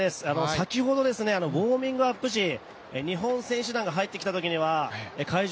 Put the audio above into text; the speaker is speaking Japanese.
先ほど、ウォーミングアップ時、日本選手団が入ってきたときには会場